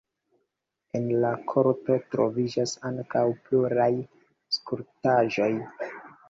En la korto troviĝas ankaŭ pluraj skulptaĵoj.